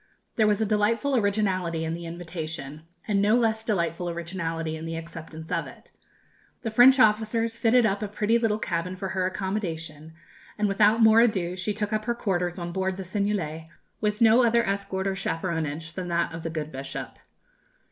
There was a delightful originality in the invitation, and a no less delightful originality in the acceptance of it. The French officers fitted up a pretty little cabin for her accommodation, and without more ado she took up her quarters on board the Seignelay, with no other escort or chaperonage than that of the good bishop.